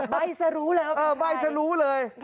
ใบ้ซะรู้เลยเออใบ้ซะรู้เลย